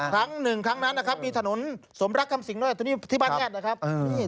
ทั้ง๑ครั้งนี้มีถนนสมรักทำสิงค์้ดูดีแต่นี้ที่บ้านแห่ด